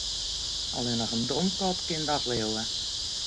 Allinnich in domkop kin dat leauwe.